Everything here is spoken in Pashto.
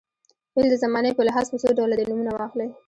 فعل د زمانې په لحاظ په څو ډوله دی نومونه واخلئ.